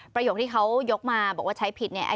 ประโยคที่เขายกมาบอกว่าใช้ผิดเนี่ย